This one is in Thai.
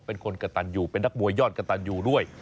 เป็นคนกระตันอยู่เป็นนักมวยยอดกระตันอยู่ด้วย